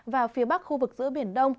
và phía bắc khu vực giữa biển đông